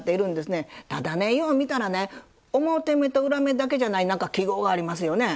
ただねよう見たらね表目と裏目だけじゃない記号がありますよね？